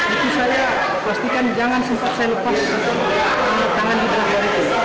itu saya pastikan jangan sempat saya lepas tangan di belakang itu